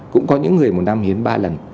cũng có những người một năm hiến ba lần